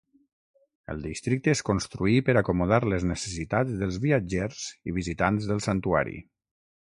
El districte es construí per acomodar les necessitats dels viatgers i visitants del santuari.